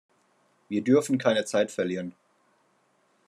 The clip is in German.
Wir dürfen keine Zeit verlieren.